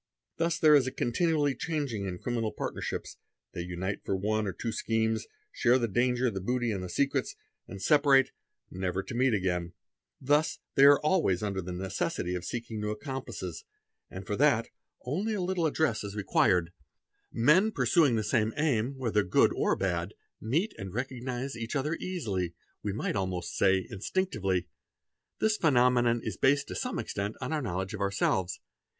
Thus ere is a continual changing in criminal partnerships ; they unite for one > two schemes, share the danger, the booty, and the secrets, and sepa te never to meet again. 'Thus they are always under the necessity of ag new accomplices, and for that only a little address is required, ESET SLA EELS ML PES EAEMEL ETM IN SES 18 LRAT 344 PRACTICES OF CRIMINALS Men pursuing the same aim, whether good or bad, meet and recognize each other easily, we might almost say instinctively. This phenomenon — is based to some extent on our knowledge of ourselves.